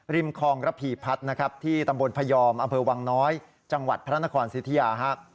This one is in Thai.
คลองระพีพัฒน์นะครับที่ตำบลพยอมอำเภอวังน้อยจังหวัดพระนครสิทธิยาฮะ